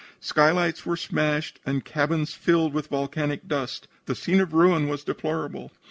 Skylights were smashed and cabins were filled with volcanic dust. The scene of ruin was deplorable.